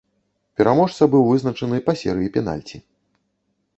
Пераможца быў вызначаны па серыі пенальці.